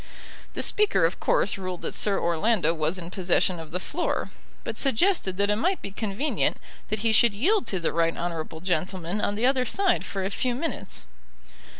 The Speaker of course ruled that Sir Orlando was in possession of the floor, but suggested that it might be convenient that he should yield to the right honourable gentleman on the other side for a few minutes.